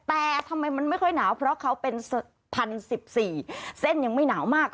แต่ทำไมมันไม่ค่อยหนาวเพราะเขาเป็น๑๐๑๔เส้นยังไม่หนาวมาก